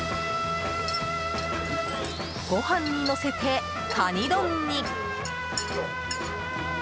ご飯にのせて、カニ丼に。